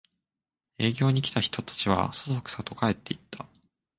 営業に来た人たちはそそくさと帰っていった